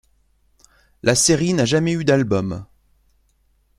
La série n'a jamais eu d'album.